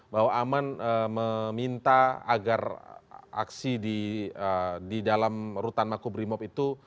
bahwa aman meminta agar aksi di dalam rutan makobrimob itu